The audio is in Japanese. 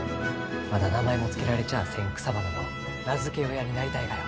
まだ名前もつけられちゃあせん草花の名付け親になりたいがよ。